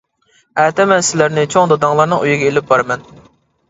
ئەتە مەن سىلەرنى چوڭ داداڭلارنىڭ ئۆيىگە ئېلىپ بارىمەن.